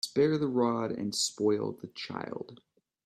Spare the rod and spoil the child.